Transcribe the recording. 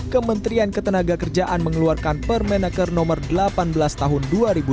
kementerian ketenaga kerjaan mengeluarkan permenaker no delapan belas tahun dua ribu dua puluh